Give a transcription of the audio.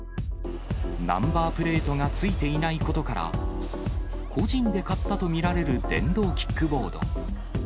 ナンバープレートが付いていないことから、個人で買ったと見られる電動キックボード。